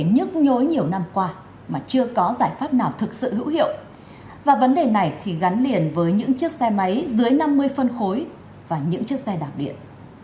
nhức nhối nhiều năm qua mà chưa có giải pháp nào thực sự hữu hiệu và vấn đề này thì gắn liền với những chiếc xe máy dưới năm mươi phân khối và những chiếc xe đạp điện